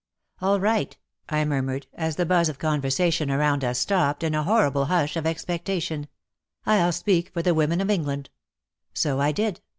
" All right," I murmured, as the buzz of conversation around us stopped, in a horrible hush of expectation, "I'll speak for the women of England." So I did.